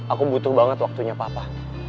aku butuh banget waktunya papa